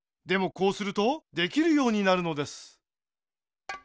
こうするとできるようになるのです。